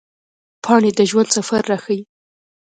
پاڼې د ژوند سفر راښيي